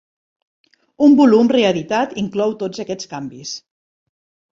Un volum reeditat inclou tots aquests canvis.